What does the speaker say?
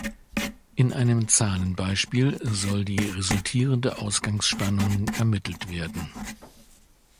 In einem Zahlenbeispiel soll die resultierende Ausgangsspannung ermittelt werden.